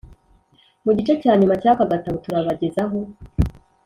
mu gice cya nyuma cy'aka gatabo, turabagezaho